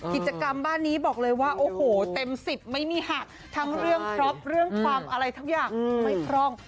กิจกรรมบ้านนี้บอกเลยว่าโอ้โหเต็ม๑๐ไม่มีหักทั้งเรื่องพร็อปเรื่องความอะไรทุกอย่างไม่พร่อง